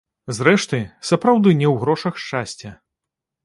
Зрэшты, сапраўды не ў грошах шчасце.